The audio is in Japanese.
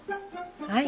はい。